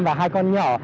và hai con nhỏ